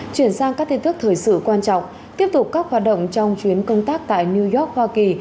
chuyển sang các tin tức thời sự quan trọng tiếp tục các hoạt động trong chuyến công tác tại new york hoa kỳ